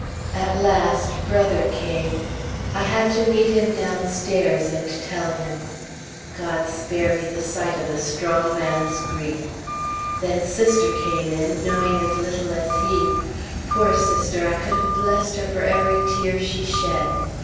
At last Brother came. I had to meet him downstairs and tell him. God spare me the sight of a strong man's grief! Then Sister came in, knowing as little as he. Poor Sister! I could have blessed her for every tear she shed.